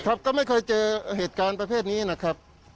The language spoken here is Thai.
ครับก็ไม่เคยเจอเหตุการณ์ประเภทนี้นะครับ